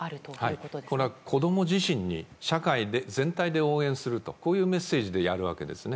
これは子供自身に社会全体で応援するとこういうメッセージでやるわけですね。